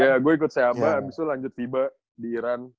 iya gue ikut seaba abis itu lanjut fiba di iran